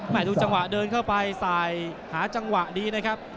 ดูจังหวะเดินเข้าไปสายหาจังหวะดีนะครับ